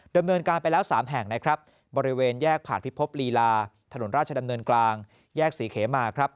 เนินการไปแล้ว๓แห่งนะครับบริเวณแยกผ่านพิภพลีลาถนนราชดำเนินกลางแยกศรีเขมาครับ